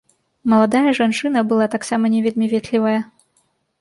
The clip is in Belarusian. Маладая жанчына была таксама не вельмі ветлівая.